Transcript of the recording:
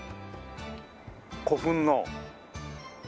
古墳の。